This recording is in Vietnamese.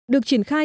được triển khai